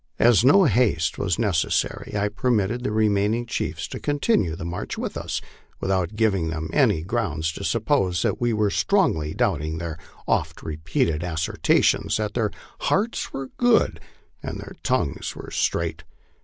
As no haste was necessary, I permitted the remaining chiefs to continue the march with us, without giving them any grounds to suppose that we strongly doubted their oft repeated assertions that their hearts were good and their tongues were straight.